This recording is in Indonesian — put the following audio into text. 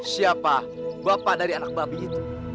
siapa bapak dari anak babi itu